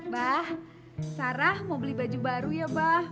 bah sarah mau beli baju baru ya mbah